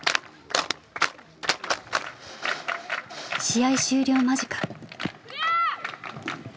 試合終了間近。